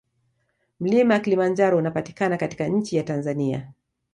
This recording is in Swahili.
Mlima kulimanjaro unapatikana katika nchi ya Tanzania